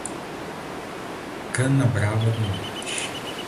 Canabrava do Norte